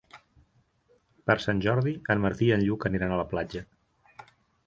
Per Sant Jordi en Martí i en Lluc aniran a la platja.